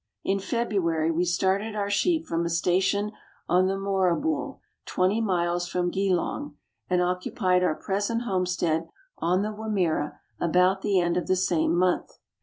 In February we started our sheep from a station on the Moorabool, 20 miles from Geelong, and occupied our present homestead on the Wimmera about the end of the same month.